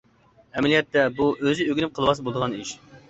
ئەمەلىيەتتە بۇ ئۆزى ئۆگىنىپ قىلىۋالسا بولىدىغان ئىش.